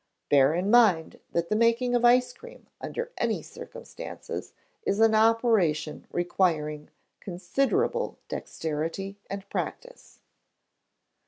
Bear in mind that the making of ice cream, under any circumstances, is an operation requiring considerable dexterity and practice.